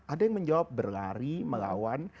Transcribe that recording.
ada yang menjawab berlari melawan